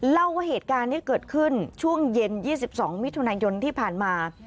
เล่าว่าเหตุการณ์นี้เกิดขึ้นช่วงเย็น๒๒มิถุนายนที่ผ่านมา